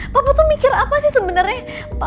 papa tuh mikir apa sih sebenernya